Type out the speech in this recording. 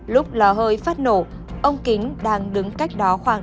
lúc lò hơi phát nổ ông kính đang đứng cách đó khoảng năm mươi m